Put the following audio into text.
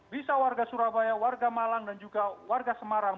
bisa warga surabaya warga malang dan juga warga semarang